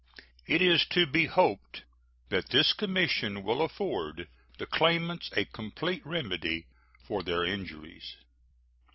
It is to be hoped that this commission will afford the claimants a complete remedy for their injuries.